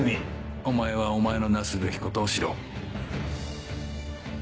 お前はお前のなすべきことをしろ。